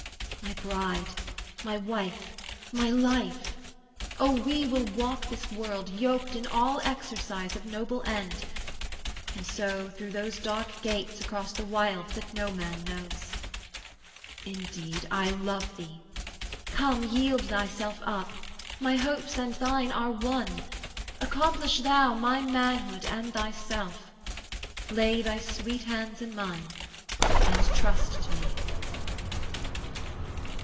My bride, My wife, my life. O we will walk this world, Yoked in all exercise of noble end, And so through those dark gates across the wild That no man knows. Indeed I love thee: come, Yield thyself up: my hopes and thine are one: Accomplish thou my manhood and thyself; Lay thy sweet hands in mine and trust to me.'